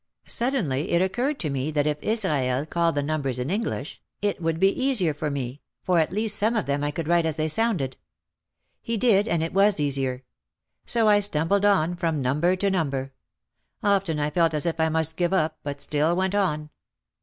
Suddenly it oc curred to me that if Israel called the numbers in English it would be easier for me for at least some of them I could write as they sounded. He did and it was easier. So I stumbled on from number to number. Often I felt as if I must give up but still went on.